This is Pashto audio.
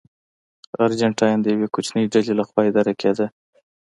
ارجنټاین د یوې کوچنۍ ډلې لخوا اداره کېده.